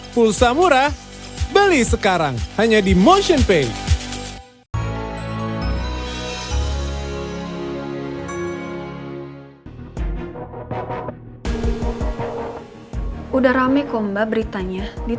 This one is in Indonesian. pulsa murah beli sekarang hanya di motionpay